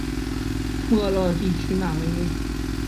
莫热地区讷维。